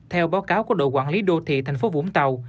theo báo cáo của đội quản lý đô thị thành phố vũng tàu